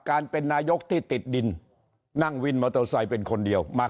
การเป็นนายกที่ติดดินนั่งวินมอเตอร์ไซค์เป็นคนเดียวมา